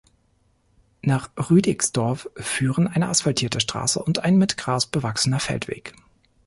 Nach Rüdigsdorf führen eine asphaltierte Straße und ein mit Gras bewachsener Feldweg.